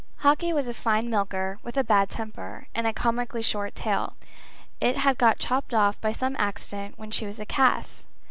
Hawkie was a fine milker, with a bad temper, and a comically short tail. It had got chopped off by some accident when she was a calf.